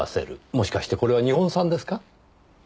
もしかしてこれは日本産ですか？